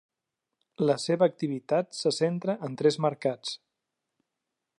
La seva activitat se centra en tres mercats: